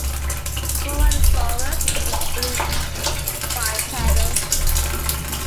"Herrerasaurus" was fully bipedal.